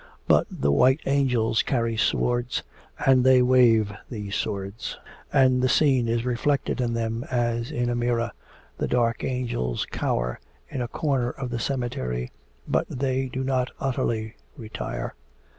But the white angels carry swords, and they wave these swords, and the scene is reflected in them as in a mirror; the dark angels cower in a corner of the cemetery, but they do not utterly retire.